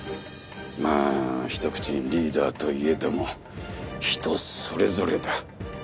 まあひと口にリーダーといえども人それぞれだ。